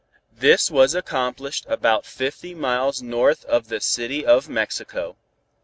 This was accomplished about fifty miles north of the City of Mexico.